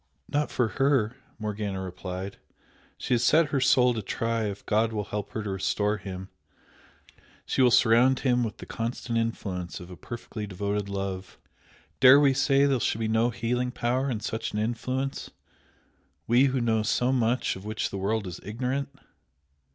"Not for her!" Morgana replied "She has set her soul to try if God will help her to restore him, she will surround him with the constant influence of a perfectly devoted love. Dare we say there shall be no healing power in such an influence? we who know so much of which the world is ignorant!"